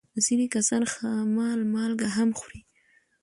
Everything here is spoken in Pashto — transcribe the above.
ځینې کسان خامه مالګه هم خوري.